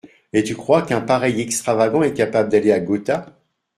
Et tu crois qu’un pareil extravagant est capable d’aller à Gotha !